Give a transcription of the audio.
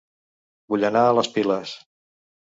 Vull anar a Les Piles